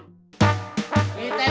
bungkung itu diulangin